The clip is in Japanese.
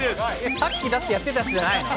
さっき、だってやってたやつじゃないの？